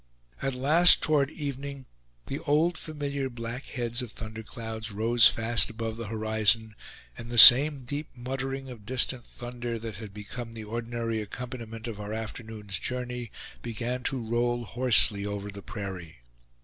At last, toward evening, the old familiar black heads of thunderclouds rose fast above the horizon, and the same deep muttering of distant thunder that had become the ordinary accompaniment of our afternoon's journey began to roll hoarsely over the prairie.